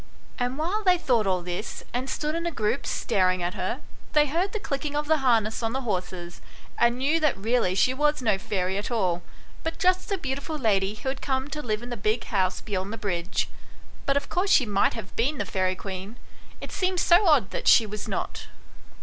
And while they thought all this, and stood in a group staring at her, they heard the clicking of the harness on the horses, and knew that really she was no fairy at all, but just the beautiful lady who had come to live in the big house beyond the bridge ; but of course she might have been the fairy queen it seemed so odd that she was not.